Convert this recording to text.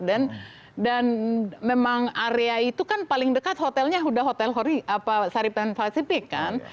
dan memang area itu kan paling dekat hotelnya sudah hotel saripan pacific kan